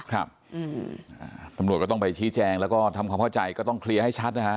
ครับตำรวจก็ต้องไปชี้แจงแล้วก็ทำความเข้าใจก็ต้องเคลียร์ให้ชัดนะฮะ